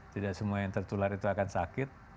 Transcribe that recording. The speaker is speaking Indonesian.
tidak semua yang tertular itu akan sakit